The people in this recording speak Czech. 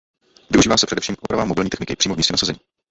Využívá se především k opravám mobilní techniky přímo v místě nasazení.